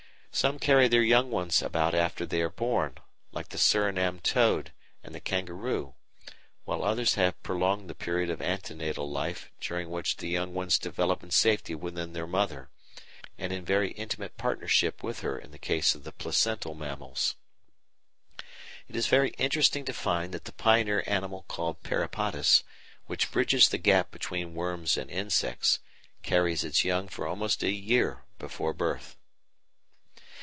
Some carry their young ones about after they are born, like the Surinam toad and the kangaroo, while others have prolonged the period of ante natal life during which the young ones develop in safety within their mother, and in very intimate partnership with her in the case of the placental mammals. It is very interesting to find that the pioneer animal called Peripatus, which bridges the gap between worms and insects, carries its young for almost a year before birth.